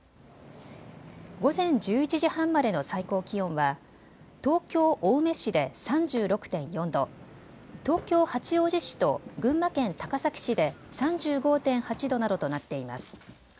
午前１１時半までの最高気温は東京青梅市で３６．４度、東京八王子市と群馬県高崎市で３５．８度などとなっています。